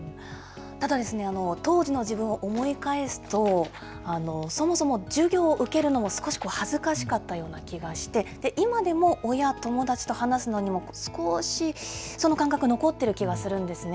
ただ、当時の自分を思い返すと、そもそも、授業を受けるのも少し恥ずかしかったような気がして、今でも親、友達と話すのも少し、その感覚残っている気はするんですね。